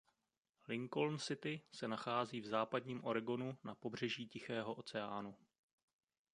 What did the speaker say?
Lincoln City se nachází v západním Oregonu na pobřeží Tichého oceánu.